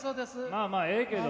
まあまあええけど。